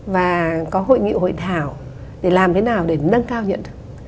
và có hội nghị hội thảo để làm thế nào để nâng cao nhận thức